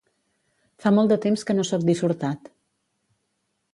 Fa molt de temps que no soc dissortat.